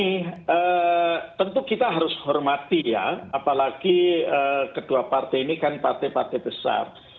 ini tentu kita harus hormati ya apalagi kedua partai ini kan partai partai besar